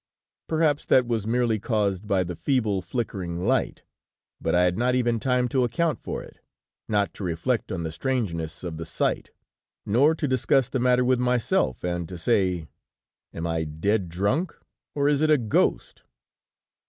Perhaps that was merely caused by the feeble, flickering light! But I had not even time to account for it, not to reflect on the strangeness of the sight, nor to discuss the matter with myself and to say: 'Am I dead drunk, or is it a ghost?'